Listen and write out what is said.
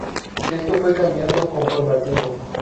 Esto fue cambiando conforme al tiempo.